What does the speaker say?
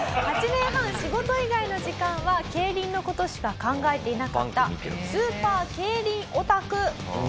８年半仕事以外の時間は競輪の事しか考えていなかったスーパー競輪オタク。